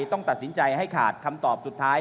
ต้องตัดสินใจให้ขาดคำตอบสุดท้าย